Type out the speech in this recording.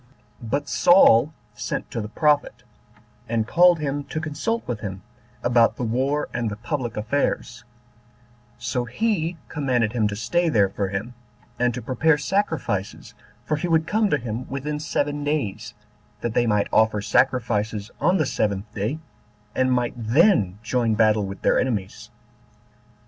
2. But Saul sent to the prophet, and called him to consult with him about the war and the public affairs; so he commanded him to stay there for him, and to prepare sacrifices, for he would come to him within seven days, that they might offer sacrifices on the seventh day, and might then join battle with their enemies.